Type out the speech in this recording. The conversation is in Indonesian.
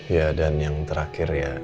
ya dan yang terakhir ya